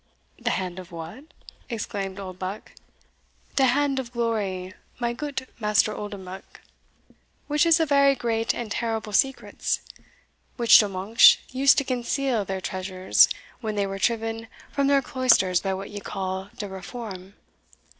"The hand of what?" exclaimed Oldbuck. "De hand of glory, my goot Master Oldenbuck, which is a vary great and terrible secrets which de monksh used to conceal their treasures when they were triven from their cloisters by what you call de Reform."